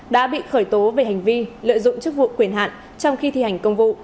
đã bị khởi tố về hành vi lợi dụng chức vụ quyền hạn trong khi thi hành công vụ